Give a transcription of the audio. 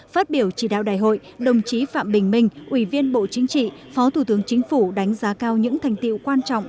phát biểu chỉ đạo đại hội đồng chí phạm bình minh ủy viên bộ chính trị phó thủ tướng chính phủ đánh giá cao những thành tiệu quan trọng